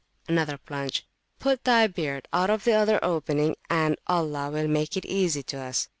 (another plunge)put thy beard out of the other opening, and Allah will make it easy to us.